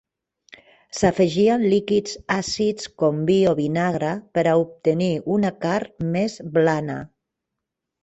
S'afegien líquids àcids com vi o vinagre per a obtenir una carn més blana.